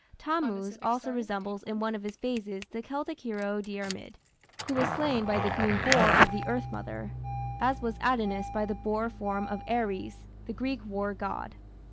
Tammuz also resembles in one of his phases the Celtic hero Diarmid, who was slain by the "green boar" of the Earth Mother, as was Adonis by the boar form of Ares, the Greek war god.